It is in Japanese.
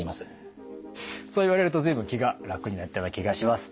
そう言われると随分気が楽になったような気がします。